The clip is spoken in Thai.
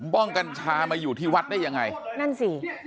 ้องกัญชามาอยู่ที่วัดได้ยังไงนั่นสิ